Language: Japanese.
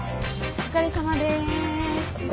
お疲れさまです。